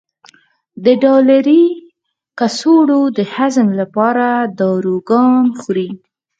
د ډالري کڅوړو د هضم لپاره داروګان خوري.